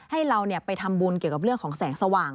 ให้เราไปทำบุญเกี่ยวกับเรื่องของแสงสว่าง